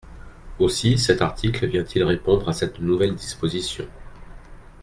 Aussi cet article vient-il répondre à cette nouvelle disposition.